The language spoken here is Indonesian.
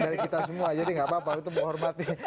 dari kita semua jadi nggak apa apa itu menghormati